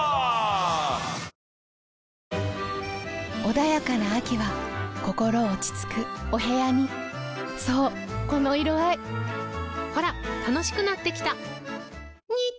穏やかな秋は心落ち着くお部屋にそうこの色合いほら楽しくなってきた！